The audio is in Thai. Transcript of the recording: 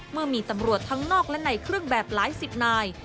เมื่อมีตำรวจทั้งนอกและในเครื่องแบบหลายสิบนาย